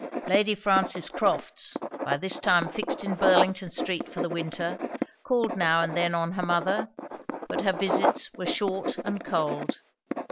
Lady Frances Crofts, by this time fixed in Burlington street for the winter, called now and then on her mother; but her visits were short and cold.